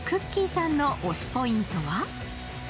さんの推しポイントは？